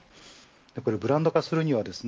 ブランド化するにはですね